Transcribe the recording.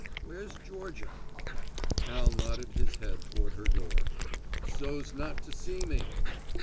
Where's Georgia?" Al nodded his head toward her door. "So's not to see me!"